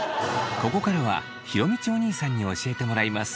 ここからは弘道おにいさんに教えてもらいます。